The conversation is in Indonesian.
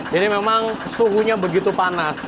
jadi memang suhunya begitu panas